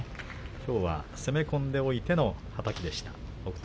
きょうは攻め込んでおいての、はたきでした北勝